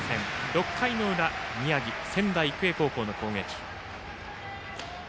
６回の裏宮城・仙台育英高校の攻撃。